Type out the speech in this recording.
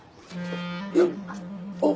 よっ！